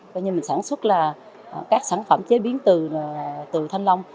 coi như mình sản xuất là các sản phẩm chế biến từ thanh long